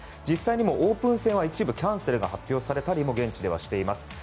実際にもうオープン戦は一部キャンセルが発表されたりも現地ではされています。